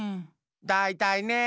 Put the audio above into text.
だいたいね！